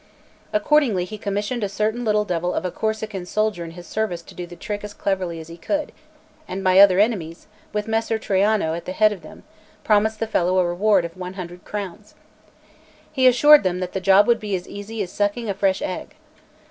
Accordingly he commissioned a certain little devil of a Corsican soldier in his service to do the trick as cleverly as he could; and my other enemies, with Messer Traiano at the head of them, promised the fellow a reward of one hundred crowns. He assured them that the job would be as easy as sucking a fresh egg.